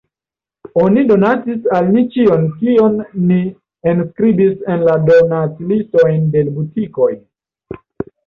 Oni donacis al ni ĉion, kion ni enskribis en la donaclistojn de l’ butikoj.